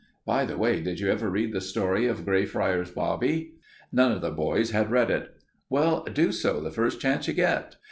By the way, did you ever read the story of Greyfriars Bobby?" None of the boys had read it. "Well, do so the first chance you get.